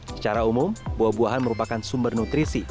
secara umum buah buahan merupakan sumber nutrisi